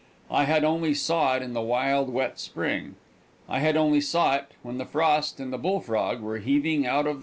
I had only saw it in the wild, wet spring. I had only saw it when the frost and the bullfrog were heaving out of the ground.